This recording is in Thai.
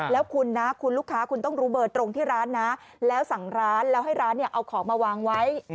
แล้วคุณนะคุณลูกค้าคุณต้องรู้เบอร์ตรงที่ร้านนะแล้วสั่งร้านแล้วให้ร้านเนี่ยเอาของมาวางไว้